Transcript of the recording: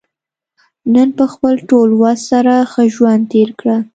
نن په خپل ټول وس سره ښه ژوند تېر کړه.